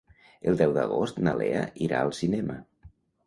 El deu d'agost na Lea irà al cinema.